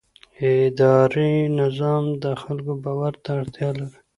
اداري نظام د خلکو د باور اړتیا لري.